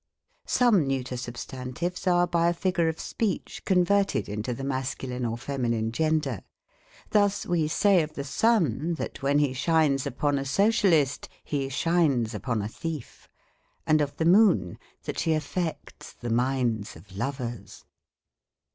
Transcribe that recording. Some neuter substantives are by a figure of speech converted into the masculine or feminine gender : thus we say of the sun, that when he shines upon a Socialist, he shines upon a thief; and of the moon, that she affects the minds of lovers.